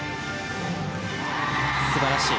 素晴らしい。